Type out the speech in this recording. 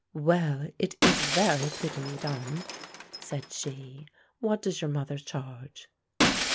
"Well, it is very prettily done," said she. "What does your mother charge?"